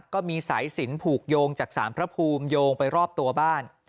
ก็มีสายสินผูกโยงจากสารพระภูมิโยงไปรอบตัวบ้าน